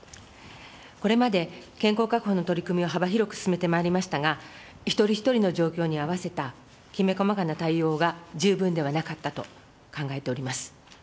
これまで健康確保の取り組みを幅広く進めてまいりましたが、一人一人の状況に合わせたきめ細かな対応が十分ではなかったと考えております。